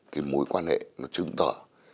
cái mối quan hệ nó chứng tỏ